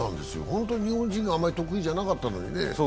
本当に日本人は、あんまり得意じゃなかったのにね。